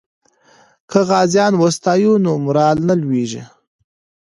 که غازیان وستایو نو مورال نه لویږي.